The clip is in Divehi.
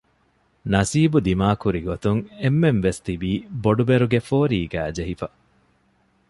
ނަސީބު ދިމާކުރިގޮތުން އެންމެންވެސް ތިބީ ބޮޑުބެރުގެ ފޯރީގައި ޖެހިފަ